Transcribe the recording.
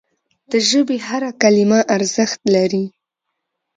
د ژبي هره کلمه ارزښت لري.